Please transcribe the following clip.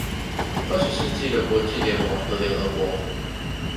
二十世紀的國際聯盟和聯合國